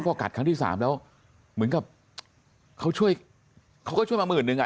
พอกัดครั้งที่สามแล้วเหมือนกับเขาช่วยมาหมื่นหนึ่ง